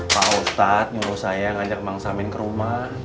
pak ustadz nyuruh saya ngajak bang samin ke rumah